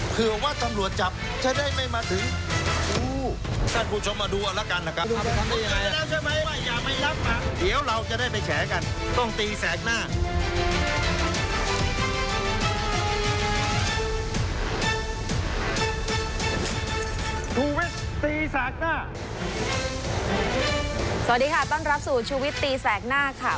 สวัสดีค่ะต้อนรับสู่ชูวิตตีแสกหน้าค่ะ